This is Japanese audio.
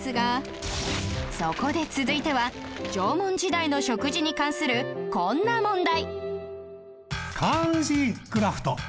そこで続いては縄文時代の食事に関するこんな問題